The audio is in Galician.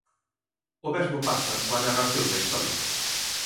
O mesmo pasa coa narración da historia.